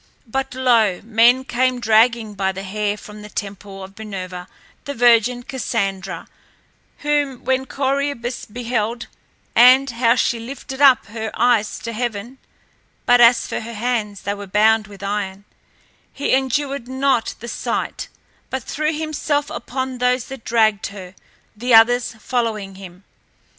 But lo! men came dragging by the hair from the temple of Minerva the virgin Cassandra, whom when Corœbus beheld, and how she lifted up her eyes to heaven (but as for her hands, they were bound with iron), he endured not the sight, but threw himself upon those that dragged her, the others following him.